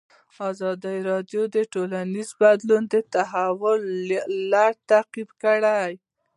ازادي راډیو د ټولنیز بدلون د تحول لړۍ تعقیب کړې.